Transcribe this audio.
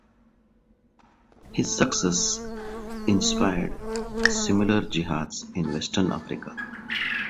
His success inspired similar jihads in Western Africa.